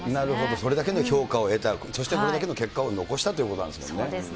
それだけの評価を得た、そしてそれだけの結果を残したということですね。